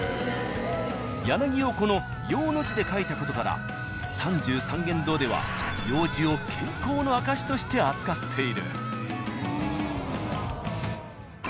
ヤナギをこの「楊」の字で書いた事から三十三間堂では楊枝を健康の証しとして扱っている。